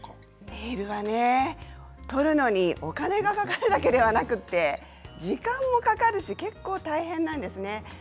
ネイルは取るのにお金がかかるだけでなく時間もかかるので結構大変なんですよね。